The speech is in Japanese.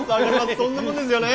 そんなもんですよね。